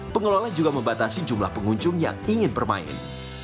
pengelola juga membatasi jumlah pengunjung yang ingin bermain